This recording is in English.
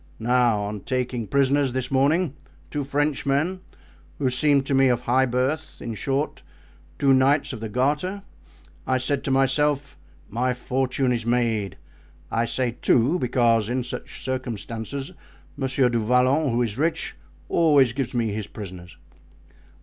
Now, on taking prisoners, this morning, two Frenchmen, who seemed to me of high birth—in short, two knights of the Garter—I said to myself, my fortune is made. I say two, because in such circumstances, Monsieur du Vallon, who is rich, always gives me his prisoners."